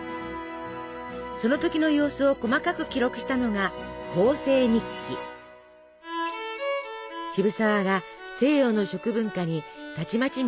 その時の様子を細かく記録したのが渋沢が西洋の食文化にたちまち魅了されていく様が分かります。